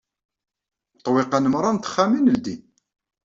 Ṭṭwiqan meṛṛa n texxamin ldin